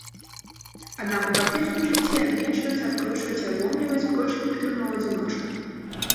Аднак у практычным жыцці адвінчваць, адкручваць і адломліваць больш эфектыўна ў адзіночку.